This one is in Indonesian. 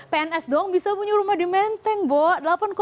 pns doang bisa punya rumah di menteng bok